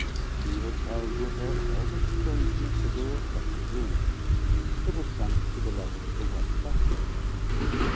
She had carried with her all the strangeness of the reflected room. It had sunk to the level of the one without.